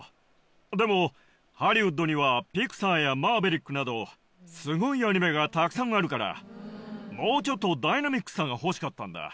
でもハリウッドにはピクサーやマーベリックなどすごいアニメがたくさんあるからもうちょっとダイナミックさが欲しかったんだ。